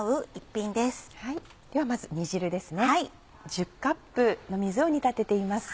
１０カップの水を煮立てています。